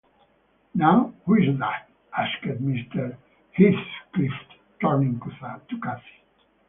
‘Now, who is that?’ asked Mr. Heathcliff, turning to Cathy.